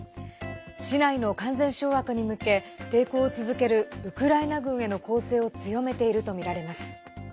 市内の完全掌握に向け抵抗を続けるウクライナ軍への攻勢を強めているとみられます。